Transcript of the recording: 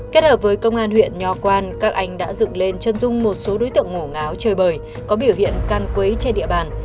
kết hợp với công an huyện nho quan các anh đã dựng lên chân dung một số đối tượng ngủ ngáo chơi bời có biểu hiện can quấy trên địa bàn